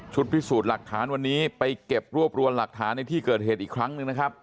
พิสูจน์หลักฐานวันนี้ไปเก็บรวบรวมหลักฐานในที่เกิดเหตุอีกครั้งหนึ่งนะครับ